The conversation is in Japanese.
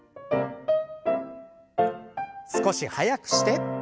少し速くして。